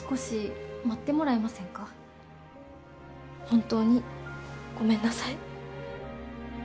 本当にごめんなさい。